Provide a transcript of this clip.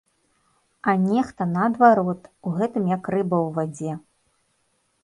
А нехта, наадварот, у гэтым як рыба ў вадзе.